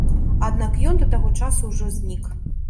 Аднак ён да таго часу ўжо знік.